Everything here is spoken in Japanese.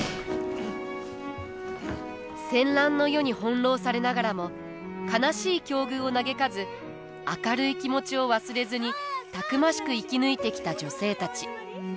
戦乱の世に翻弄されながらも悲しい境遇を嘆かず明るい気持ちを忘れずにたくましく生き抜いてきた女性たち。